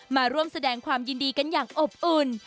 มาร่วมแสดงความยินดีกันอย่างอบอุ่น